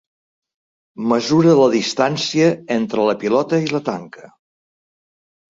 Mesura la distància entre la pilota i la tanca.